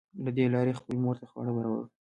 له دې لارې یې خپلې مور ته خواړه برابرول